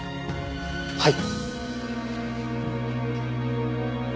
はい。